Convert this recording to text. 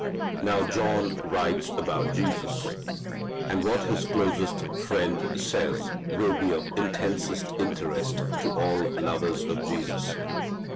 Now John writes about Jesus. And what this closest friend says will be of intensest interest to all lovers of Jesus.